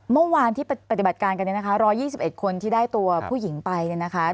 เมื่อวานที่ปฏิบัติการกันเนี่ยนะคะ๑๒๑คนที่ได้ตัวผู้หญิงไปเนี่ยนะคะ